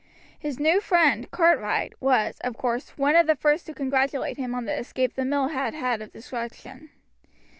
His new friend, Cartwright, was, of course, one of the first to congratulate him on the escape the mill had had of destruction.